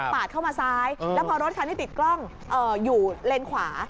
เข้ามาซ้ายแล้วพอรถคันที่ติดกล้องอยู่เลนขวา